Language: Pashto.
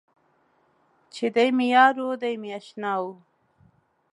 چې دی مې یار و دی مې اشنا و.